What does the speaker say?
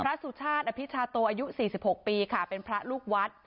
สุชาติอภิชาโตอายุ๔๖ปีค่ะเป็นพระลูกวัด